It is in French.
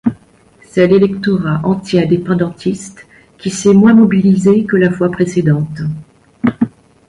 C'est l'électorat anti-indépendantiste qui s'est moins mobilisé que la fois précédente.